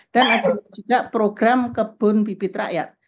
dan ada juga program kebun bibit rakyat